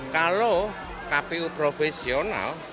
kalau kpu profesional